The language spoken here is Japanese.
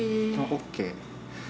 ＯＫ。